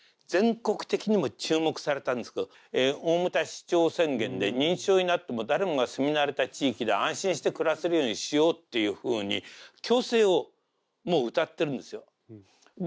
全国的にも注目されたんですけど大牟田市長宣言で「認知症になってもだれもが住み慣れた地域で安心して暮らせるようにしよう」っていうふうに共生をもううたってるんですよ。